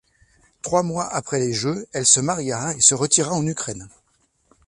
Trois mois après les jeux, elle se maria et se retira en Ukraine.